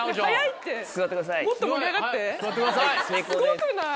すごくない？